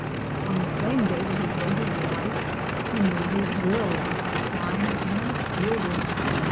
On the same day that he wrote his wife, he made his will, signed, and sealed it.